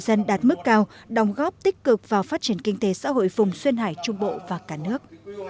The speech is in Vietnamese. dân đạt mức cao đồng góp tích cực vào phát triển kinh tế xã hội vùng xuyên hải trung bộ và cả nước